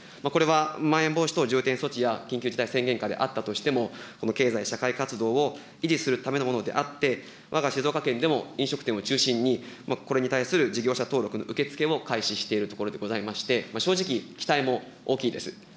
これはまん延防止等重点措置や緊急事態宣言下であったとしても、経済社会活動を維持するためのものであって、わが静岡県でも、飲食店を中心に、これに対する事業者登録の受け付けを開始しているところでございまして、正直、期待も大きいです。